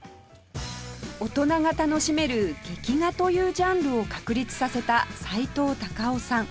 大人が楽しめる「劇画」というジャンルを確立させたさいとう・たかをさん